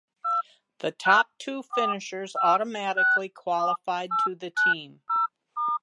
The top two finishers automatically qualified to the team.